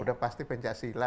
sudah pasti pencaksilat lah